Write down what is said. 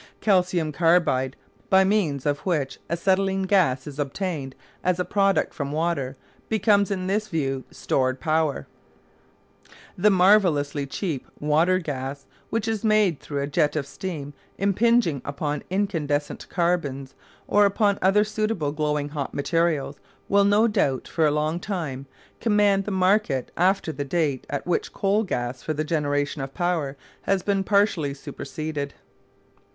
Calcium carbide, by means of which acetylene gas is obtained as a product from water, becomes in this view stored power. The marvellously cheap "water gas" which is made through a jet of steam impinging upon incandescent carbons or upon other suitable glowing hot materials will, no doubt, for a long time command the market after the date at which coal gas for the generation of power has been partially superseded.